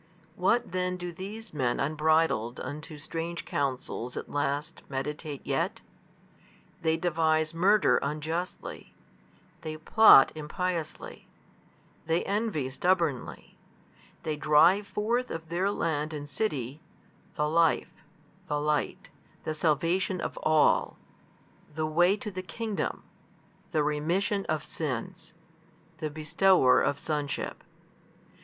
What then do these men unbridled unto strange counsels at last meditate yet? They devise murder unjustly, they plot impiously, they envy stubbornly, they drive forth of their land and city, the Life, the Light, the Salvation of all, the Way to the kingdom, the Remission of sins, the Bestower of sonship.